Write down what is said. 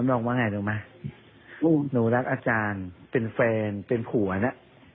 มันบอกว่าไงหนูมาหนูรักอาจารย์เป็นแฟนเป็นผัวน่ะ